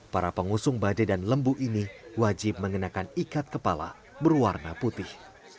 para pengusung badai dan lembu ini wajib mengenakan ikat kepala berwarna putih